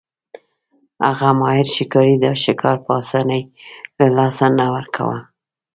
هغه ماهر ښکاري دا ښکار په اسانۍ له لاسه نه ورکاوه.